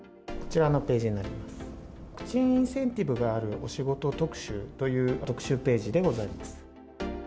ワクチンインセンティブがあるお仕事特集という特集ページでございます。